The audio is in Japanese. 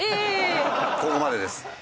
ここまでです。